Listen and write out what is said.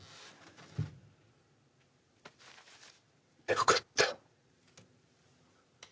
よかった。